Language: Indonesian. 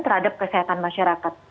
terhadap kesehatan masyarakat